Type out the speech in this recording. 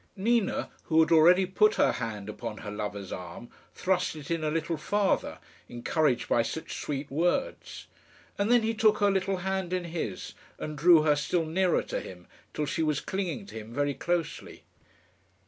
Nina, who had already put her hand upon her lover's arm, thrust it in a little farther, encouraged by such sweet words; and then he took her little hand in his, and drew her still nearer to him, till she was clinging to him very closely.